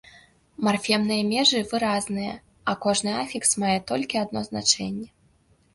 Марфемныя межы выразныя, а кожны афікс мае толькі адно значэнне.